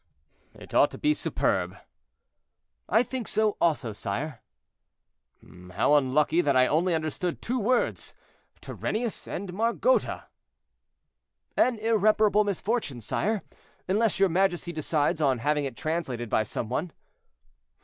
"It ought to be superb." "I think so, also, sire." "How unlucky that I only understood two words, 'Turennius' and 'Margota.'" "An irreparable misfortune, sire, unless your majesty decides on having it translated by some one."